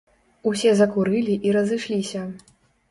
Усе закурылі і разышліся.